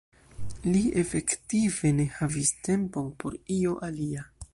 Li efektive ne havis tempon por io alia.